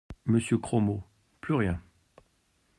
Monsieur Cromot, plus rien.